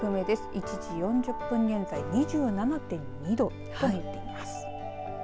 １時４０分現在、２７．２度となっています。